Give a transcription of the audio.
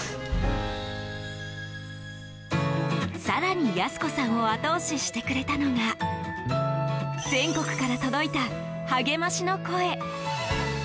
更に、保子さんを後押ししてくれたのが全国から届いた励ましの声。